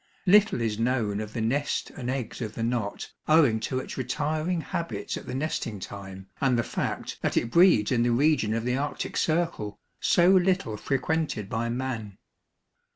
Little is known of the nest and eggs of the Knot owing to its retiring habits at the nesting time and the fact that it breeds in the region of the Arctic Circle, so little frequented by man.